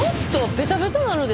ベタベタなるで？